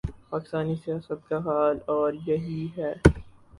پاکستانی سیاست کا حال اور یہی ہے۔